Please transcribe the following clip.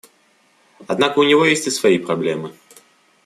Однако у него есть и свои проблемы.